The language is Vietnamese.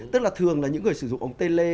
tức là thường là những người sử dụng ống tê lê